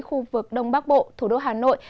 khu vực đông bắc bộ thủ đô hà nội